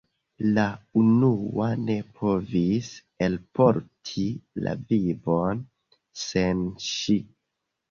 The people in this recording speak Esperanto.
La unua ne povis elporti la vivon sen ŝi.